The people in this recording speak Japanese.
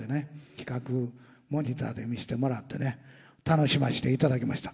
企画モニターで見してもらってね楽しませていただきました。